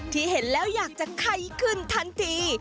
ที่เห็นแล้วอยากจะไข้ขึ้นทันที